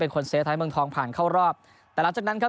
คนเซฟท้ายเมืองทองผ่านเข้ารอบแต่หลังจากนั้นครับ